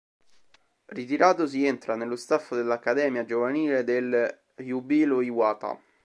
Ritiratosi, entra nello staff dell'accademia giovanile del Júbilo Iwata